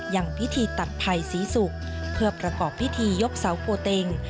ยังพิธีตัดภัยศรีศุกร์เพื่อประกอบพิธียกเสาโกเต็ง